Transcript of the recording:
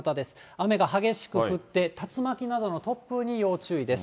雨が激しく降って、竜巻などの突風に要注意です。